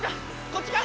こっちか？